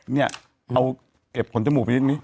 เนี่ยเอาเก็บขนจมูกไปดี